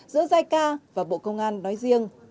giữa giai ca và bộ công an nói riêng